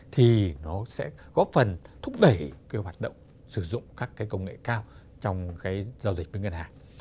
thì nó sẽ góp phần thúc đẩy cái hoạt động sử dụng các cái công nghệ cao trong cái giao dịch với ngân hàng